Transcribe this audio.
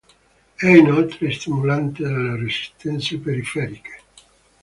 È inoltre stimolante delle resistenze periferiche.